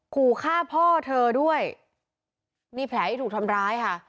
ขู่ฆ่าพ่อเธอด้วยมีแผลที่ถูกทำร้ายค่ะ